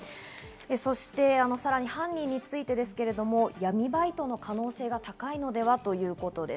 そしてさらに犯人についてですけれども、闇バイトの可能性が高いのでは？ということです。